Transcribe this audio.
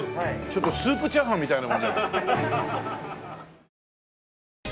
ちょっとスープチャーハンみたいな。